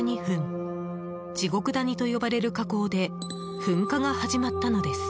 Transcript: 地獄谷と呼ばれる火口で噴火が始まったのです。